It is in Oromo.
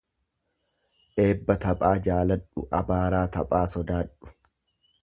Eebba taphaa jaaladhu abaaraa taphaa sodaadhu.